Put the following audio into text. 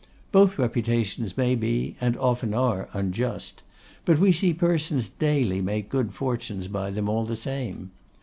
Both reputations may be, and often are, unjust; but we see persons daily make good fortunes by them all the same.